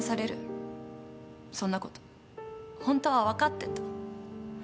そんなことホントは分かってた。